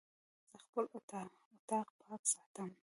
زه خپل اطاق پاک ساتم.